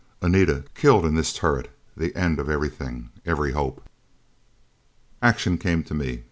Anita, killed in this turret: the end of everything every hope. Action came to me.